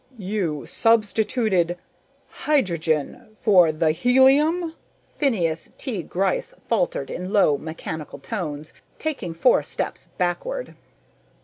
"You substituted ... hydrogen ... for the ... helium?" Phineas T. Gryce faltered in low mechanical tones, taking four steps backward.